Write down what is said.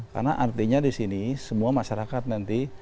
karena artinya disini semua masyarakat nanti